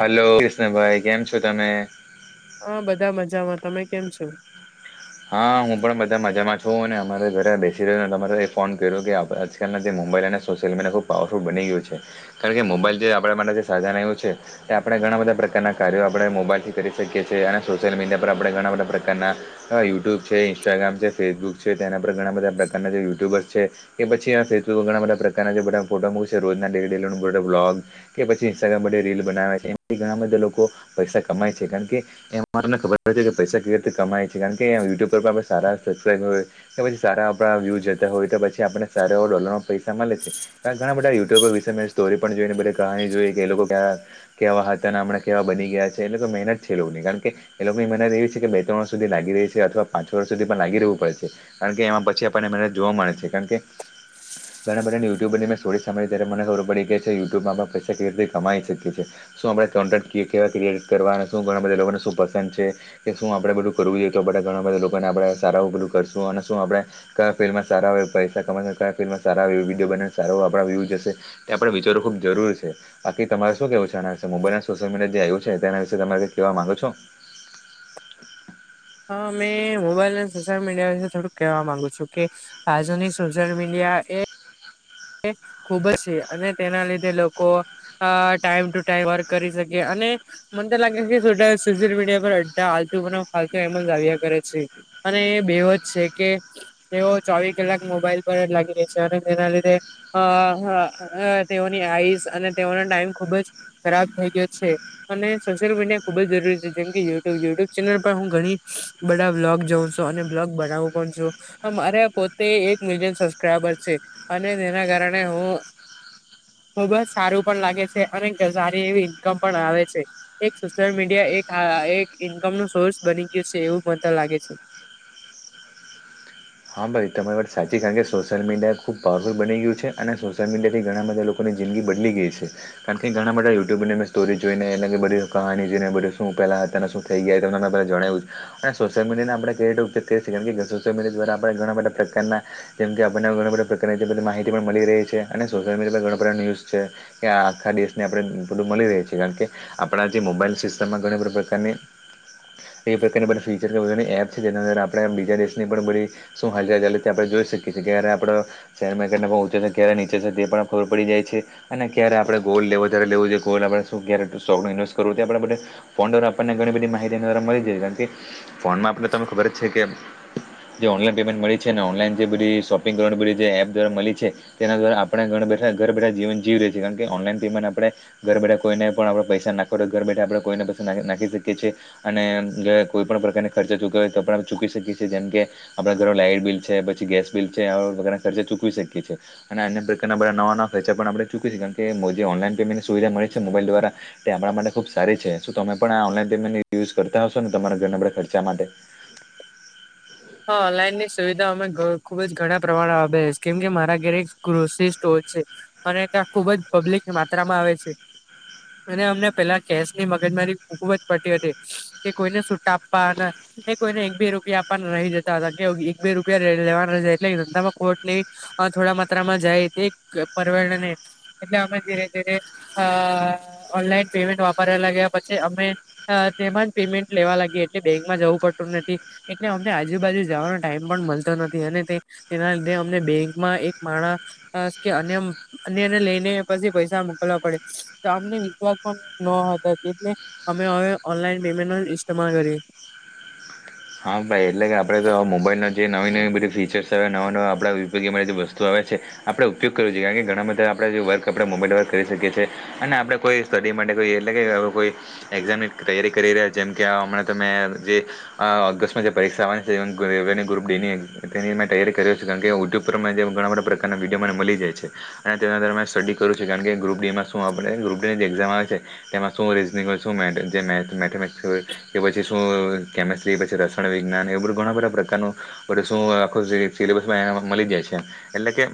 Hello કૃષ્ણભાઈ કેમ છો તમે? હા બધા મજામાં તમે કેમ છો? હા હું પણ બધા મજામાં છું અને અમારે ઘરે બેસી રહ્યોને તમારે ફોન કર્યો કે આજકાલ ના મોબાઈલ અને સોશિયલ મીડિયા ખૂબ પાવરફુલ બની ગયું છે કારણ કે મોબાઈલ જે આપણા માટે જે સાધાન આયુ છે તે આપણે ઘણા બધા પ્રકારનાં કાર્યો આપણે મોબાઈલથી કરી શકીએ છીએ અને સોશિયલ મીડિયા પર આપણે ઘણા બધા પ્રકારના યુટ્યુબ છે ઇન્સ્ટાગ્રામ છે ફેસબુક છે તેના પર ઘણા બધા પ્રકારના જે યુટ્યુબર્સ છે કે પછી આ ઘણા બધાકારના જે બધા ફોટો મુકશે રોજના બ્લોગ કે પછી ઇન્સ્ટાગ્રામ માટે રીલ બનાવે છે. એથી ઘણા બધા લોકો પૈસા કમાય છે કારણ કે એ અને ખબર છે કે પૈસા કેવી રીતે કમાય. કારણ કે યુટ્યુબ પર આપણે સારા સબક્રાઈબ હોય કે પછી સારા વ્યુ જતા હોય તો પછી આપ સારા ડોલરમાં પૈસા મળે છે ઘણા બધા યુટ્યુબર વિશે મે સ્ટોરી પણ જોઈ બધી કહાણી જોઈ કે એ લોકો ક કેવા હતા અને હમણાં કેવા બની ગયા છે એટલે લોકો મહેનત છે એ લોકોની કારણ કે એ લોકો ની મહેનત એવી છે કે બે ત્રણ સુધી લાગી રહી છે અથવા પાંચ વર્ષ સુધી પણ લાગી રહેવું પડે છે કારણ કે એમાં પછી આપને મને જોવા મળે છે કારણ કે ઘણા બધાની યુટ્યુબરનીં સોરી સાંભળી ત્યારે મને ખબર પડી કે યુટ્યુબમાં પૈસા કેવી રીતે કમાઈ શકીએ છે. શું આપણે કોન્ટે ક્રીએટ કરવા શું ઘણા બધા લોકોને શું પસંદ છે કે શું આપડે બધું કરવું જોઈએ તો આપ ઘણા બધા લોકોને આપણે સારા ઉગલું કરશું અને શું આપણે કયા ફિલ્ડમાં સારા હવે પૈસા કમાશે. ક્યાં ફિલ્ડમાં સારા વિડીયો બહુ સારુ આપ વ્યુહ જશે વિચારવુ ખુબ જરૂર છે બાકી તમારે શું તમે મોબાઈલ અને સોશિયલ મીડિયા જે આવ્યું છે તેના વિશે તમે કાઈ કેવા માંગો છો. હા મેં મોબાઈલ અને સોશિયલ મીડિયા વિશે થોડુંક કહેવા માંગુ છું કે આજુની સોશિયલ મીડિયા એ ખુબ જ છે અને તેના લીધે લોકો ટાઈમ ટુ ટાઈમ વર્ક કરી શકે અને અને મને તો લાગે છે કે સોશલ મીડિયા પર એ આતુ ફતુ એમ દાવ કરે છે. અને એ બેવ જ છે કે તેઓ ચોવી કલાક મોબાઈલ પર જ લાગી રહે છે અને તેના લીધે અ તેઓની આઈઝ અને તેઓનો ટાઈમ ખુબ જ ખરાબ થઈ ગયો છે. અને સોશિયલ મીડિયા ખુબ જરૂરી છે જેમકે યુટ્યુબ યુટ્યુબ ચેનલ પર હું ઘણી બધા વ્લોગ જોઉ અને બ્લોગવુ પણ છું મારે પોતે એક મિલિયન સબસ્ક્રાઈબર છે અને મને એના કારણે હુ ખૂબ જ સારું પણ લાગે છે અને સારી એવી ઇન્કમ પણ આવે છે એક સોશિયલ મીડિયા એક હ એક ઈન્કમ નું સોર્સ બની ગયું છે એવું મને લાગે છે. [inaudible] હા ભાઈ તમારી વાત સાચી કારણ કે સોશિયલ મીડિયા ખૂબ પાવરફુલ બની ગયું છે અને સોશિયલ મીડિયા થી ઘણા બધા લોકોની જિંદીગી બદલી ગઈ છે કારણ કે ઘણા માટે યુટ્યુબરનેં સ્ટોરી જોઈને એ બધી કહા જોઈને બધું શું પહેલા શું થઈ ગયા જણાવ સોશયલ મીડિયાને આપણે કઈ ઉપયોગ કરીએ કે સોલ મીડિયા દ્વારા ઘણા બધા પ્રકારના જેમ આપણને ઘણા બધા પ્રકારધી માહિતી પણ મળી રહી છે અને સોશયલ મીડિયા પર આ દેશને આપડે મળી રહે છે કારણ કે આપડા જે મોબાઈલ સિસ્ટમ માં સિસ્ટમ એ પ્રકાર બધી ફીચર બધાની એપ છે જેના અંદર આપણે બીજા દેશની પણ બધી શું હાલ છેથી આપણે જોઈ શકીએ છીએ ક્યારે આપડે શેર માર્કેટ પહોંચે છે ક્યારે નીચે છે તે પણ ખબર પડી જાય છે. અને ક્યારે આપણે ગોલ્ડ લેવું ત્યારે લેવું જોઈએ ગોલ્ડ આપણે કેરેટ સોકું ઇન્વેસ્ટ કરવું આપડે બધા આપણને ઘણી બધી માહિતી મળી રહે છે કારણ કે ફોનમાં આપણે તમને ખબર જ છે કે જે ઓનલાઈન પેમેન્ટ મળી છે ઓનલાઈન જે બધી શોપિંગ એપ દ્વારા મળી છે તેના દ્વારા આપણા ઘર બેઠા ઘર બેઠા જીવન જીવી રહી છે કારણ કે ઓનલાઈન પેમેન્ટ આપણે ઘર બેઠા કોઈને પણ આપે પૈસા નાખો તો ઘર બેઠા આપણે કોઈને પૈસા ના નાખ શકીએ છીએ અને કોઈ પણ પ્રકારની ખર્ચા ચૂક્યો હોય તો પણ ચૂકી શકીએ છીએ જેમ કે આપણા ઘરો લાઇટ બિલ છે પછી ગેસ બિલ છે આવા પ્રકારના ખર્ચા ચૂકવી શકીએ છીએ અને અન્ય પ્રકારના બધા નવા-નવા છે પણ આપણે ચૂકીશ છે કારણ કે જે ઓનલાઈન પેમેન્ટની સુવિધા મળી છે મોબાઈલ દ્વારા તે આપણા માટે ખૂબ સારી છે શું તમારે આ ઓનલાઈન પેમેન્ટ યુઝ કરતા હશો ને તમારા ઘરને આપ ખર્ચા માટે. હા ઓનલાઈન ની સુવિધા અમે ખુબ જ ઘણા પ્રમાણે આવે છે કેમ કે મારા ઘરે એક કૃષિ સ્ટોર છે. અને ત્યાં ખુબ જ પબ્લિક માત્રામાં આવે છે. અને અમને પેલા કેસ ની મગજમારી ખુબ જ પટીતી હતી કે કોઈને સૂટ આપવા ના એ કોઈને એક બે રૂપિયા આપવા. રહી જતા હતા, કે એક બે રૂપિયા લેવાના એટલે ધંધામાં કોર્ટની થોડા, માત્રામાં જાય પર એટલે અમે ધીરે, ધીરે ઓનલાઈન પેમેન્ટ વાપર પછ, અમે તેમાં પેમેન્ટ લેવા લાગી એટલે બેંકમાં જવું, પડતું નથી એ અમને આજુબાજુ, જવાનો ટાઈમ પણ મળતો નથી, અને તે તેના લીધે અમને બેંકમાં એક માણા કે એને લઈને પછી, પૈસા મોકલવા પડે તો આમને વિશ્વાસ પણ ન લે અમે હવે ઓનલાઈન પેમેન્ટ, ન ઇમાલ કરી હા, ભાઈ એટલે કે આપડે તો મોુંબાઈનો જે નવી નવી બધી ફીચર્સ આવે નવા નવા આપણા ઉપયોગી અરી બધ વસ્તુ આવે છે, આપણે ઉપયોગ કરું છઈએ, કારણ કે ઘણા બધા આપણે જે વર્ક આપણે મોબાઈલ વર્ક કરી શકીએ છીએ, અને આપણે કોઈ સ્ટડી માટે કોઈ એટલે કે કોઈ એક્ઝામ તૈયારી કરી રહ્યા, જેમ કે હમણાં તમે જે આ ઓગસ્ટમાં જે પરીક્ષા આવવાની છે, એ રેવે ગ્રપ ડી ની તેની મે તૈયારી કર્યો છે, કારણ કે યુટ્યુબ પર જે ઘણા બ પ્રકારના વિડીયો મને મળી જાય છે, અને તેના સ્ટડી કરું છે, કારણ કે ગ્રુપ ડીમાં શું આપ ગડી છે, તેમાં શું રીઝનંગ મેમેટિક્સ કે પછી શું કેમેસ્ટ પછી, રસણ વિજ્ઞાન એ બધું ઘણા બધા પ્રકારનું બધું શું આખું સિલેબસમાં મળી જાય છે એલા કે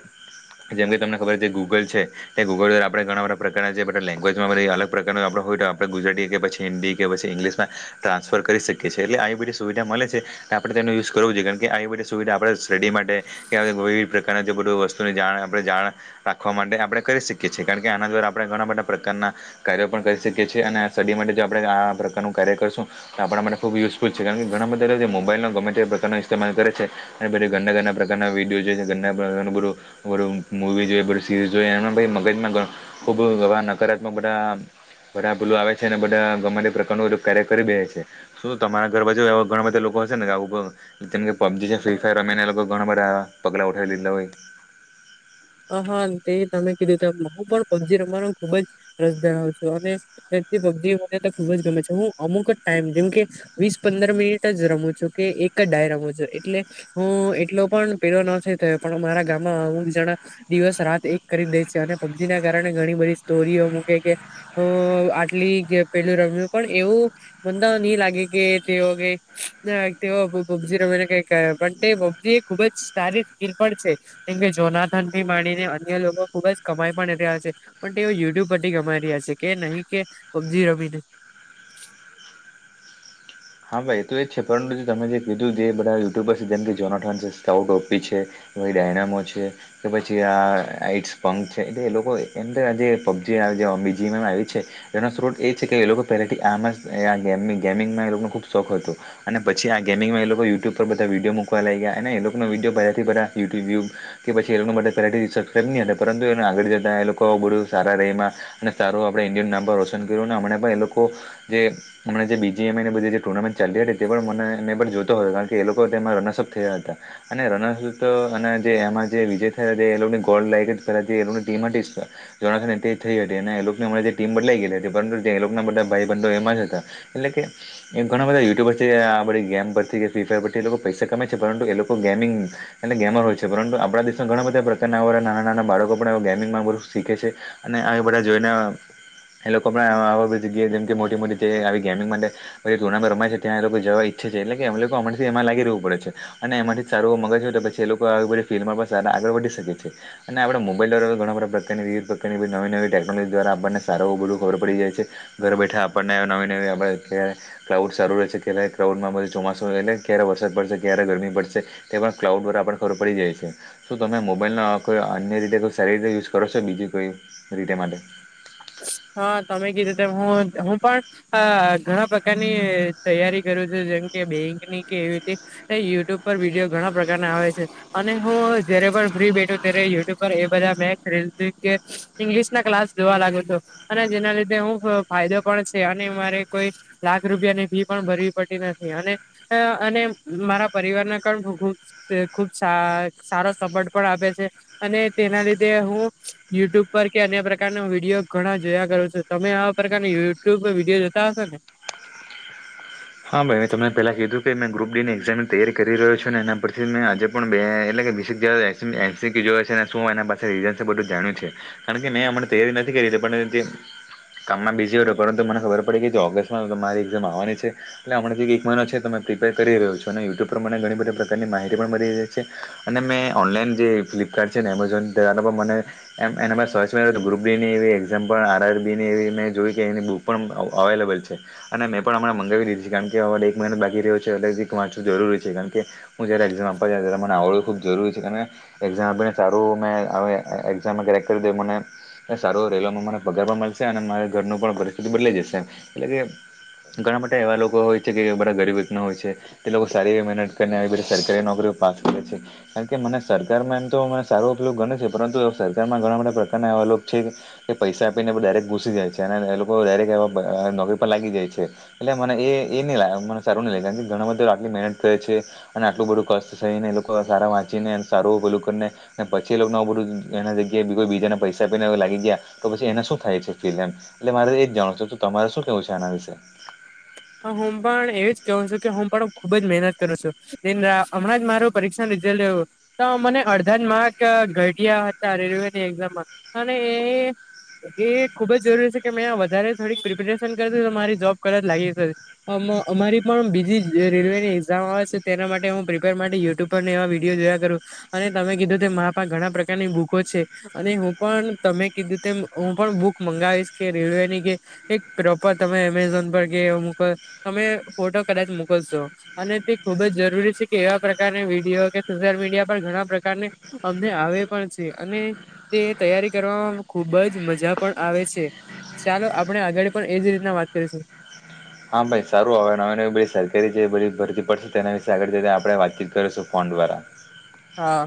જેમ કે તમને ખબર છે, કે ગૂગલ છે, તે ગૂગલ દ્વારા આપણે ઘણા બધા પ્રકારના જે બા લેંગ્વેજમાંધ અલગ પ્રકારનો આપો હોય, તો આપણે ગુજરાતી કે પી હિન્દી કે પછી ઇંગ્લિશમાં ટ્રાન્ફર કરી શકીએીએ એટલે બધ સુવિધા મળે છે, આપણે તે યુઝ કરવું જોઈએ કાર કે આવી બધી સુવિધા આપ સ્ટડી માટે કે પ્રકાર જે બધી વસ્તુની જા આપણે જા, ણ રાખવા માટે આપણે કરી શકીએ છીએ, કારણ કે આના દ્વારા આપણે ઘણા બધા પ્રકારના કાર્યો પણ કરી શકીએ છીએ, અને આ સ્ટડી માટે જો આપણે, આ પ્રકારનું કાર્ય કરશું તો આપણા માટે ખૂબ યુઝ ખુ છે કારણ ઘણા બધા લોકો મોબાઈલનો ગમે તે પ્રકારનો ઇસ્તેમાલ કર છે, અનેધી ઘના ઘરના પ્રકારના વિડીયો છે. વી જો બધ સીરીઝ, જો એ મગજમાં ખબર નકાર. બધા બા પુલો આવે છે, અનેને બધા ગ પ્રકાર ન કાર્ય કરી બે છે. તમારા ઘર બાજવા ઘણા બધા લોકો હશે નેું કે પબજી છે, ફ્રી ફાયર રમે્યા ને એ લોકો ઘણા બધા પગલા બી હ હા, તે તમે કીધું ત હું, પણ પબજી રમવાનો ખુબ જ રસ ધરાવ છું, અને પબજી મને ખુબજ ગમે છે, હું અમુક જ ટાઈમ જેમ કે વીસ પંદર મિનિટ જ રમું છું, કે એક જ ડાયરમો છો, એટલે હું, એટલો પણ પેલો નથી, થયો પણ મારા ગામમાં અમુક જણા દિવસ રાત એક કરી દે છે, અને પબજીને કારણે ઘણી બધી સ્ટોરીઓ મૂકે કે આટલી પેલું રમ પણ એવું મ નહી, લાગે કે તેઓ કે તે પબજી રમીને પજી એ ખુબજ સારી સ્ પણ છે, કેમ કે જોના થી માડીને અન્ય લોકો ખુબજ કમાઈ, પણ રહ્યા છે, પણ તેઓ યુટ્યુબ પરથી કમાઈ રહ્યા છે, કે નહીં કે પબજી રમિને હા, ભાઈ એ તો એ જ છે, પરંતુ તમે જે કીધું જે બધા યુટ્યુબર છે, જેમ કે જોનાથન છે સ્ઉટ ઓપી છે ભ ડાયનામો છે, કે પછી આ આઈટ પંક છે, એટલે એ લોકો એમ આ જે પબજી ી એનો સ્ોત એ છે, કે લોકો પહેથીંગ ખબ શોખ હતોું, અને પછી, આ ગેમિંગમાં એ લોકો યુટ્યુબ પર બધા વિડીયો મૂકવા લાગ્યા અને એ લોકો વ વિડીયો બધથી યુટ્યુટ્યુબ કે પછી એ લોકો માટે પહેલાથી સબસ્ક્રાઈબ નહીં, હતા પરંતુ એને આગળ જતાં એ લોકો બધું સારા રહે એમાં અને સારું આપણે ઈન્ડિયન નામ પર રોશન કર્યું હમ, પણ એ લોકો જેમ, જે બીજી એમ બધ ટુર્નામેન્ટ ચાલી હતી, તે પણ મને એને પણ જોતો હતો, કારણ કે એ લોકો તેમાં રનસઅપ થયા હતા અને રનઅસપ અને એમાં જે વિજય, થ ગોલ લાયક ટી થ જે ટીમ બદલાઈ ગયલી હતી, પરંતુ જે ના બધા ભાઈ બંધો એમાં જ હતા, એટલે કે એ ઘણા બધા યુટ્યુબરથી, આ બધી ગેમ પરથી કે ફ્રી ફાયર પરથી, એ લોકો પૈસા કમામે છે પરંતુ એ લોકો ગેમિંગ ગેમર હોય છે, પરંતુ આપણા દેશમાં ઘણા બધા પ્રકારનાવાળા નાના નાના બાળકો પણ ગેમિંગમાં બધું શીખે છે, અને આવી બધા જોઈને, એ લોકો પણ બધી જગ્યાએ જેમ, મોટી મોટી આવી ગેમિંગ માટે હ જે ટુર્નામે રમાય છે ત્યા એ લોકો જવા ઈચ્છે છે, એટલે એ લોકો અમાંથી એમાં લાગી રહેવું પડે છે, અને એમાંથી સારુંવ મગજ છે, તો પછી એ લોકોધી ફિલ્ડમાં પણ સા આગળ વધી શકે છે, અને આપણે મોબાઈલ દ્વારા ઘણા બધા પ્રકારની વિવિધ પ્રકારની નવી, નવી ટેકનોલોજી દ્વારા આપણને સારું બધું ખબર પડી જાય છે, ઘર બેઠા આપણને નવી, નવી આપણે અત્યારે ક્લાઉડ સારું રહે છે, કેટલાય ક્લાઉડમાં બધ ચોમાસ એટલે ક્યારે વરદ પડશે ક્યારે ગરમી, પડશે તે પણ ક્લાઉડ બરા ખર પડી જાય છે શ તમે મોબાઈલ કો અન્ય રીતે સારી રીતે યુઝ કરો છો બી કોઈ રીતે? માટે. હા તમે કીધું તેમ હું- હું પણ ઘણા પ્રકારની તૈયારી કરું છું જેમ બેકનીવી ર યુટ્યુબ પર વિડીયો ઘણા પ્રકારના આવે છે અને હું જ પણ ફ બેઠું ત યુટ્યુબ પર એ બધા મે કે ઇંગ્લિશ ના ક્સ જોવા લાગ્યો. અને જેના લીધે હું ફાયદો પણ છે અને મારે કોઈ લાખ રૂપિયાની ફી પણ ભરવી પડે. મારા પરિવારને પણ ખૂબ સારા સપોર્ટ પણ આપે છે અને તેના લીધે હું યુટ્યુબ પર કે અન્ય પ્રકારનો વિડીયો ઘણા જોયા કરો છો. તમે આવા પ્રકારની યુટ્યુબ વિડીયો જોતા હશો ને? હા, ભાઈ મે તમને પેલા કીધું મેં ગ્રુપ ડીની એક્ઝામીની તૈયારી કરી રહ્યો છે અને એના પરથી મેં આજે પણ બે એટલે કે [unintelligible] એનસી હોય છે અને શું એના પાસે રીઝન છે બધું જાણવું છે. કારણ કે મેં અમણે તૈયારી નથી કરી પણ જે કામમાં બીજી હતો પરંતુ મને ખબર પડી કે ઓગસ્ટમાં ત મારી એક્ઝામ આવવાની છે. એટલે હમણાં હજી એ-એક મહીનો છે તો મે પ્રિપેર કરી રહ્યો છું અને યુટ્યુબ પર મને ઘણી બધી પ્રકારની માહિતી પણ મળી રહે છે અને મેં ઓનલાઈન જે ફ્લિપકાર્ટ છે ને એમેઝોન ત્યાંનો પણ મને એમ એનામાં સર્ચ કર્યું તું ગ્રુપની એવી એઝામ્પ પણ આરઆરબીની એવી મેં જોય કે એની બુક પણ અવ-અવેઈલેબલ છે અને મેં પણ હમણાં મગાવી દીધ કારણ કે હવે ત એક મહિનો બાકી રહ્યો છે અત્યાર થી જ વાંચવું જરૂરી છે. કારણ કે હું જ્યારે એક્ઝામ આપવા જાવ ત્યારે મને આવડવુ ખૂબ જરૂ જરૂરી છે. કારણ કે એક્ઝામ આપીને સારું મેં હવે એ-એ-એક્ઝામ ક્રેક કરી દે મને સારો રેવામાંને પગાર પણ મળશે અને મારા ઘરનું પણ પરિસ્થિતિ બદલાઈ જશે એટલે કે ઘણા માટે એવા લોકો હોય છે કે બધા ગરીબ રીના હોય છે તે લોકો સારી મહેનત કરીી સરકારી નોકરી પાસ કરે છે. કારણ કે મને સરકારમાં એમ તો મને સારો ઉપયોગ ગને છે પરંતુ સરકારમાં ઘણા બધા પ્રકારના એવા લોગ છે. પૈસા આપીને દરેક ઘુસી જાય છે અને એ લોકો દરેક એવા નોકરી પર લાગી જાય છે એટલે મને એ એ નહ લાગે મને સારું નઈ લાગે કારણ કે ઘણા બધા આટલી મહેનત કરે છે અને આટલું બધું કષ્ટ ને એ લોકો સારા વાંચ પી સારું પેલું કરી ને પછી એ ન બધું એના જગ્યાએ કોઈ બીજા ના પૈસા પને લાગી ગયા પછી એને શું થાય છે ફિમ એટલે મારે એજ જાણો છો તમારે શું કેવું છે આના વિશે? હ હું પણ એવી જ કેહું છું કે હું પણ ખુબ જ મહેનત કરું છું હમણાં જ માર પરીક્ષા ન રિઝલ્ટ લું તો મને અડધા જ માર્ક ઘટિયા હતા રેલવેની એક્ઝામમાં અને એ એ એ ખુબ જરૂરી છે કે મેં વધારે થોડીક પ્રિપેરેશન કરી તો મારી જોબ કદાચ લાગી અમ-અમારી પણ બીજી જે રેલવેની એક્ઝામ આવે છે તેના માટે હું પ્રિપેર માટે યુટ્યુબ પર વિડીયો જોયા કરું અને તમે કીધું કે મા પાહે ઘણા પ્રકારની બુકો છે અને હું પણ તમે કીધું તેમ હું પણ બુક મંગાવીશ કે રેલવેની કે એક પ્રોપર તમે એમેઝોન પર કે પર તમે ફોટો કદાચ મોકલશો અને તે ખુબ જ જરૂરી છે કે એવા પ્રકારની વિડીયો કે સોશિયલ મીડિયા પણ ઘણા પ્રકારને અમને આવે પણ છે અને તે તૈયારી કરવામાં ખુ ખુબ જ મજા પણ આવે છે. ચાલો આપણે આગળ પણ એજ રીતના વાત કરીશું. હા ભાઈ સારું હવે નવી-નવી બધી સરકારી જે બધી ભરતી પડશે તેના વિશે આગળ આપણે જઈને વાતચીત કરીશું ફોન રા. હા.